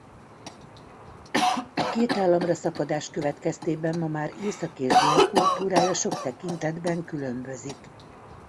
A két államra szakadás következtében ma már Észak és Dél kultúrája sok tekintetben különbözik.